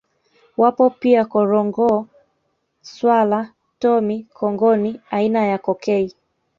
Wapo pia korongoo swala tomi Kongoni aina ya cokei